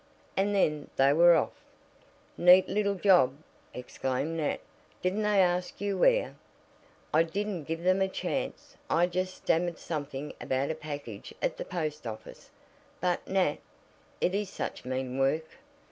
And then they were off. "Neat little job," exclaimed Nat. "Didn't they ask you where?" "I didn't give them a chance. I just stammered something about a package at the post office. But, Nat, it is such mean work!